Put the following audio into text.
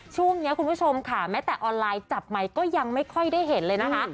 ช่วงนี้คุณผู้ชมค่ะแม้แต่ออนไลน์จับไมค์ก็ยังไม่ค่อยได้เห็นเลยนะคะ